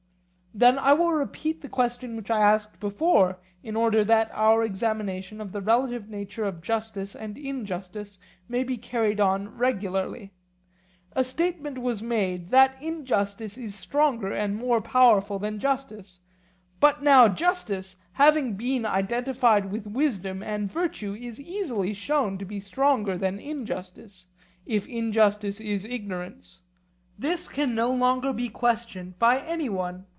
Then I will repeat the question which I asked before, in order that our examination of the relative nature of justice and injustice may be carried on regularly. A statement was made that injustice is stronger and more powerful than justice, but now justice, having been identified with wisdom and virtue, is easily shown to be stronger than injustice, if injustice is ignorance; this can no longer be questioned by any one.